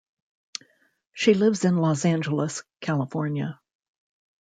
She lives in Los Angeles, California.